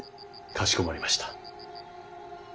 かしこまりました。